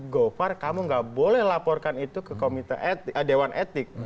govar kamu nggak boleh laporkan itu ke dewan etik